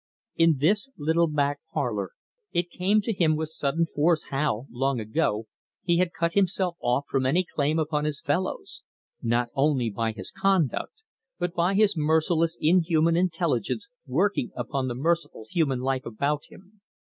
In this little back parlour it came to him with sudden force how, long ago, he had cut himself off from any claim upon his fellows not only by his conduct, but by his merciless inhuman intelligence working upon the merciful human life about him.